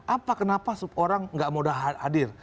apa kenapa orang tidak mau hadir